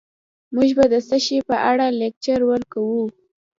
موږ به د څه شي په اړه لکچر ورکوو